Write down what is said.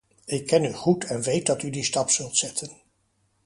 Ik ken u goed en weet dat u die stap zult zetten.